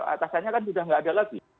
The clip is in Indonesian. atasannya kan sudah tidak ada lagi